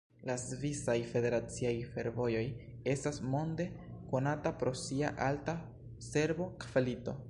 La Svisaj Federaciaj Fervojoj estas monde konata pro sia alta servo-kvalito.